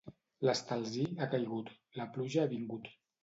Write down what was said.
L'estalzí ha caigut, la pluja ha vingut.